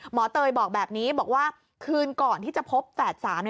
เตยบอกแบบนี้บอกว่าคืนก่อนที่จะพบแฝดสาม